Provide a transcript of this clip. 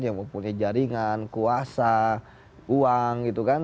yang mempunyai jaringan kuasa uang gitu kan